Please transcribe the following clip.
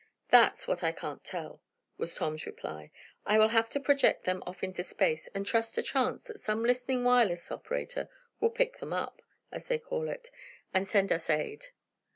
"That's what I can't tell," was Tom's reply. "I will have to project them off into space, and trust to chance that some listening wireless operator will 'pick them up,' as they call it, and send us aid."